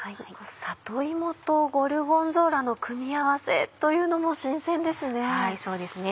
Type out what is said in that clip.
里芋とゴルゴンゾーラの組み合わせというのも新鮮ですね。